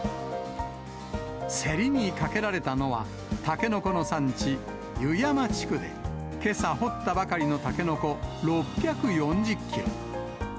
競りにかけられたのは、タケノコの産地、湯山地区で、けさ掘ったばかりのタケノコ６４０キロ。